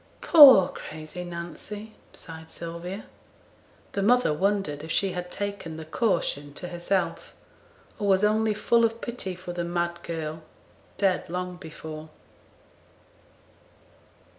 'Poor crazy Nancy!' sighed Sylvia. The mother wondered if she had taken the 'caution' to herself, or was only full of pity for the mad girl, dead long before.